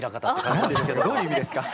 何ですかどういう意味ですか。